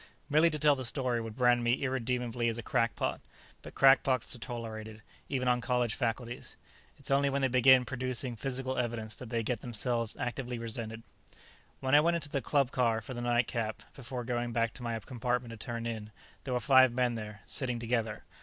Merely to tell the story would brand me irredeemably as a crackpot, but crackpots are tolerated, even on college faculties. It's only when they begin producing physical evidence that they get themselves actively resented. When I went into the club car for a nightcap before going back to my compartment to turn in, there were five men there, sitting together.